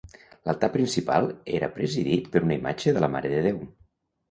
L'altar principal era presidit per una imatge de la Mare de Déu.